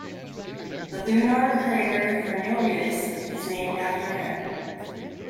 The lunar crater Fernelius is named after him.